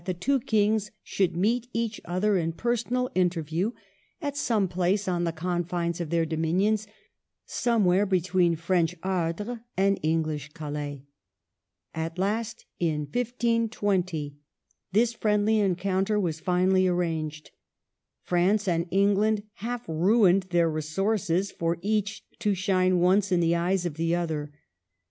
the two kings should meet each other in per sonal interview at some place on the confines of their dominions, somewhere between French Ardres and English Calais. At last, in 1520, this friendly encounter was finally arranged. France and England half ruined their resources for each to shine once in the eyes of the other.